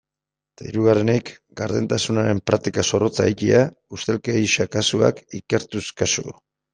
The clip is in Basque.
Eta hirugarrenik, gardentasunaren praktika zorrotza egitea, ustelkeria kasuak ikertuz kasu.